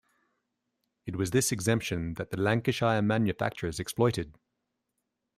It was this exemption that the Lancashire manufacturers exploited.